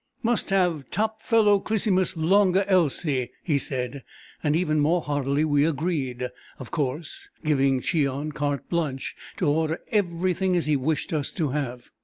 "Must have top fellow Clisymus longa Elsey," he said, and even more heartily we agreed, "of course," giving Cheon carte blanche to order everything as he wished us to have it.